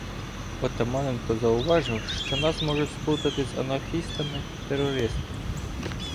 Отаманенко зауважив, що нас можуть сплутати з анархістами-терорис- тами.